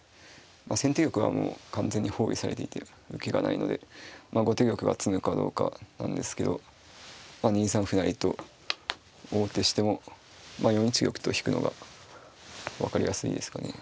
先手玉はもう完全に包囲されていて受けがないので後手玉が詰むかどうかなんですけど２三歩成と王手しても４一玉と引くのが分かりやすいですかね。